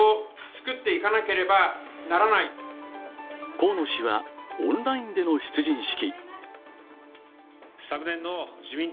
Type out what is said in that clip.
河野氏はオンラインでの出陣式。